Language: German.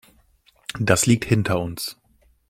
Das liegt hinter uns.